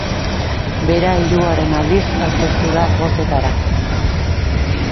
Bera hirugarren aldiz aurkeztu da bozetara.